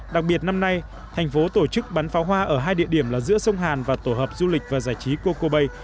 đặc biệt năm nay thành phố tổ chức bắn pháo hoa ở hai địa điểm là giữa sông hàn và tổ hợp du lịch và giải trí coco bay